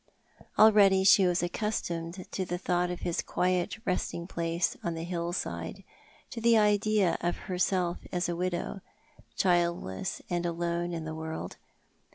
Already she was accustomed to the thought of his quiet resting place on the hillside, to the idea of herself as a widow, childless and alono in the world.